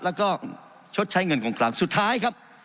แล้วก็ชดใช้เงินของกลางสุดท้ายครับ